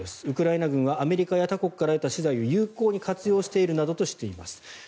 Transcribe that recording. ウクライナ軍はアメリカや他国から得た資材を有効に活用しているなどとしています。